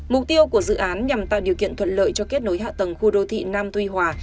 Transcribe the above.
mục tiêu của dự án nhằm tạo điều kiện thuận lợi cho kết nối hạ tầng khu đô thị nam tuy hòa